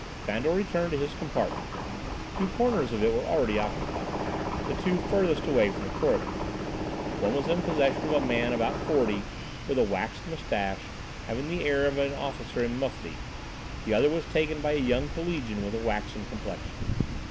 Fandor returned to his compartment. Two corners of it were already occupied the two furthest away from the corridor. One was in possession of a man about forty, with a waxed moustache, having the air of an officer in mufti, the other was taken by a young collegian with a waxen complexion.